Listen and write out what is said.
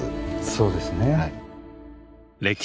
そうですね。